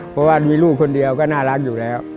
เพราะว่ามีลูกคนเดียวก็น่ารักอยู่แล้ว